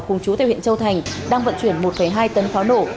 cùng chú tây ninh châu thành đang vận chuyển một hai tấn pháo nổ